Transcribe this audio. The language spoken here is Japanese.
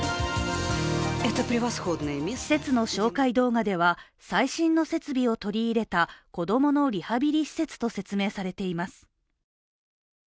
施設の紹介動画では最新の設備を取り入れた子供のリハビリ施設と説明されています。